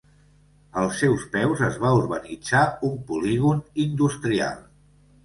Als seus peus es va urbanitzar un polígon industrial.